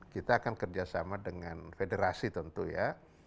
kita akan kerjasama dengan federasi tentu ya